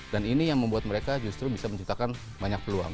dan ini yang membuat mereka justru bisa menciptakan banyak peluang